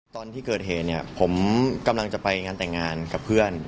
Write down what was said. ตอนที่เกิดเหตุเนี่ยผมกำลังจะไปงานแต่งงานกับเพื่อน